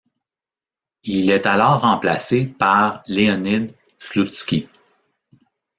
Il est alors remplacé par Leonid Sloutski.